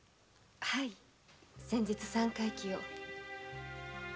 はい先日三回忌を。